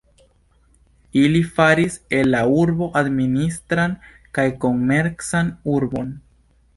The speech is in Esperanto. Ili faris el la urbo administran kaj komercan urbon.